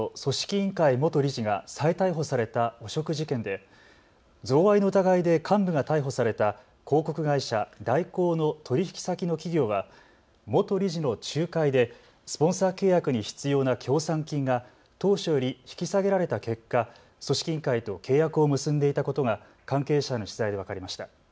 委員会元理事が再逮捕された汚職事件で贈賄の疑いで幹部が逮捕された広告会社、大広の取引先の企業は元理事の仲介でスポンサー契約に必要な協賛金が当初より引き下げられた結果組織委員会と契約を結んでいたことが関係者の取材で分かりました。